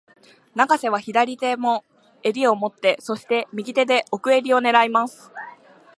永瀬は左手も襟を持って、そして、右手で奥襟を狙います。